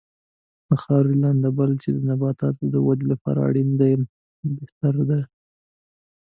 د خاورې لنده بل چې د نباتاتو د ودې لپاره اړین دی بهتره کړي.